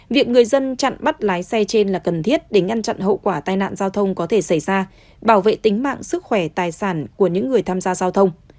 việc người dân chặn bắt lái xe trên là cần thiết để ngăn chặn hậu quả tai nạn giao thông có thể xảy ra bảo vệ tính mạng sức khỏe tài sản của những người tham gia giao thông